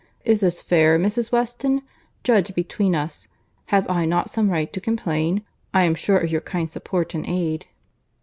Is this fair, Mrs. Weston?—Judge between us. Have not I some right to complain? I am sure of your kind support and aid."